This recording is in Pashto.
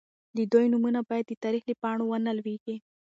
د دوی نومونه باید د تاریخ له پاڼو ونه لوېږي.